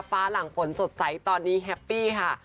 หลังฝนสดใสตอนนี้แฮปปี้ค่ะ